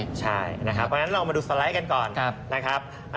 เพราะฉะนั้นเรามาดูสไลด์กันก่อนนะครับ